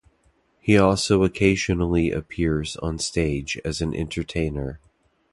He also occasionally appears on stage as an entertainer.